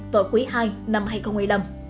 vào cuối hai năm hai nghìn một mươi năm